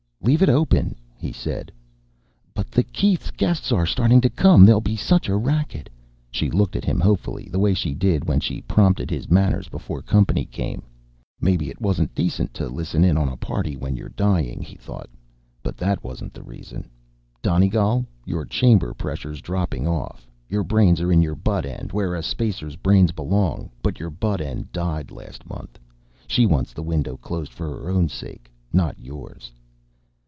"Leave it open," he said. "But the Keiths' guests are starting to come. There'll be such a racket." She looked at him hopefully, the way she did when she prompted his manners before company came. Maybe it wasn't decent to listen in on a party when you were dying, he thought. But that wasn't the reason. Donegal, your chamber pressure's dropping off. Your brains are in your butt end, where a spacer's brains belong, but your butt end died last month. She wants the window closed for her own sake, not yours.